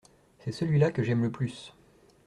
C’est celui-là que j’aime le plus.